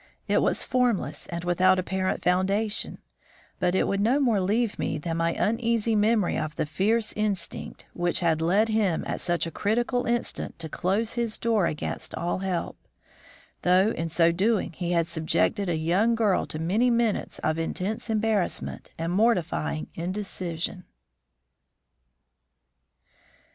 It was formless and without apparent foundation; but it would no more leave me than my uneasy memory of the fierce instinct which had led him at such a critical instant to close his door against all help, though in so doing he had subjected a young girl to many minutes of intense embarrassment and mortifying indecision.